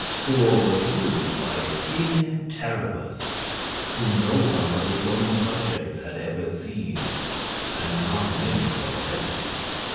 Spor was ruled by King Terribus, whom no one but his own subjects had ever seen and not many of them.